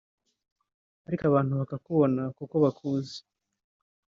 ariko abantu bakakubona kuko bakuzi